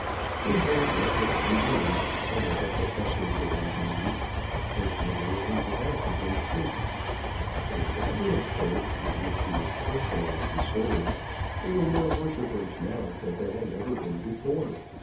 He heard much of unbelief, and of the professors of unbelief, both within and without the great Church; but in that little church with which he was personally concerned there were more worshippers now than there had ever been before.